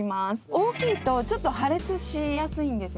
大きいとちょっと破裂しやすいんですね。